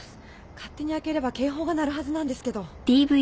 勝手に開ければ警報が鳴るはずなんですけど。